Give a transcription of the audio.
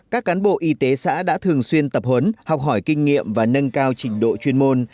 các cán bộ y tế xã đã thường xuyên tập huấn học hỏi kinh nghiệm và nâng cao trình độ chuyên môn